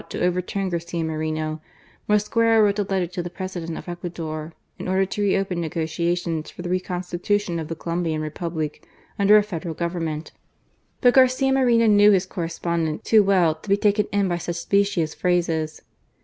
to overturn Garcia Moreno, Mosquera wrote a letter to the President of Ecuador " in order to re open negotiations for the reconstitution of the Colombian Republic under a federal government/' But Garcia Moreno knew his correspondent too well to be taken in by such specious phrases.